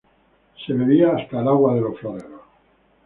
Se bebía hasta el agua de los floreros